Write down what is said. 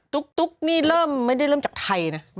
ตุ๊กนี่เริ่มไม่ได้เริ่มจากไทยนะ